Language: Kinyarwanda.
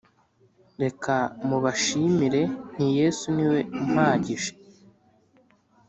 Reka mubashimire nti yesu niwe umpagije